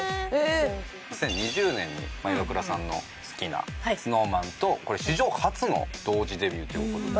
２０２０年にイワクラさんの好きなＳｎｏｗＭａｎとこれ史上初の同時デビューという事で。